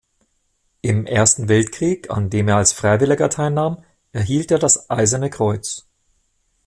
Im Ersten Weltkrieg, an dem er als Freiwilliger teilnahm, erhielt er das Eiserne Kreuz.